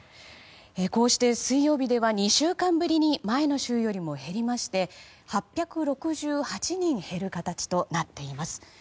こうして水曜日では２週間ぶりに前の週よりも減りまして８６８人減る形となっています。